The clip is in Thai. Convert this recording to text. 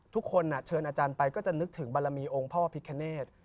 ทุกคนเชิญอาจารย์ไปก็จะนึกถึงบารมีองค์พ่อพิคเนธ